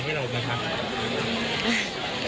อย่าเอาท่านเข้ามาเกี่ยวเลยค่ะ